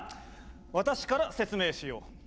私から説明しよう。